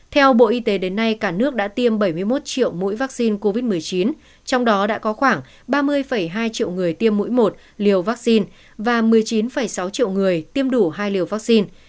theo bộ y tế đến nay cả nước đã tiêm bảy mươi một triệu mũi vaccine covid một mươi chín trong đó đã có khoảng ba mươi hai triệu người tiêm mũi một liều vaccine và một mươi chín sáu triệu người tiêm đủ hai liều vaccine